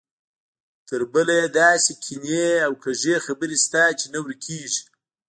تربله یې داسې کینې او کږې خبرې شته چې نه ورکېږي.